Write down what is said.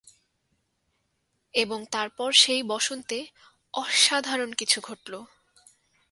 এবং তারপর সেই বসন্তে, অসাধারণ কিছু ঘটলো।